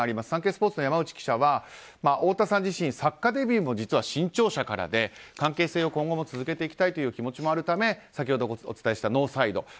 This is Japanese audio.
サンケイスポーツの山内記者は太田さん自身作家デビューも実は新潮社からで関係性を今後も続けていきたいという気持ちもあるため先ほどお伝えしたノーサイド。